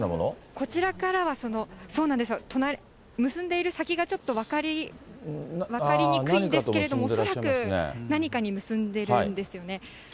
こちらからは結んでいる先がちょっと分かりにくいんですけれども、恐らく何かに結んでいるんですよね。